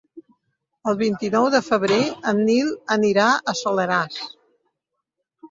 El vint-i-nou de febrer en Nil anirà al Soleràs.